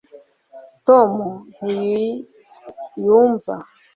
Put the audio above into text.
tom ntiyumva